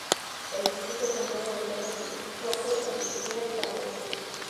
El distrito ha cambiado de dueños entre Chocó y Antioquia varias veces.